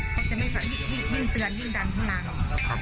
เขาจะยิ่งเตือนยิ่งดันทางหลัง